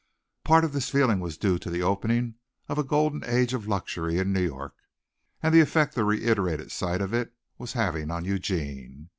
A part of this feeling was due to the opening of a golden age of luxury in New York, and the effect the reiterated sight of it was having on Eugene.